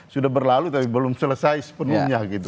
sudah berlalu tapi belum selesai sepenuhnya gitu